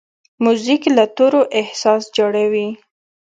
موزیک له تورو احساس جوړوي.